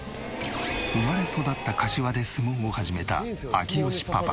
生まれ育った柏で相撲を始めた明慶パパ。